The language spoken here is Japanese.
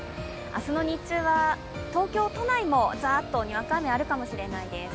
明日の日中は東京都内もザッとにわか雨あるかもしれないです。